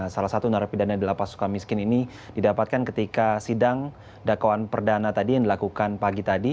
salah satu narapidana di lapas suka miskin ini didapatkan ketika sidang dakwaan perdana tadi yang dilakukan pagi tadi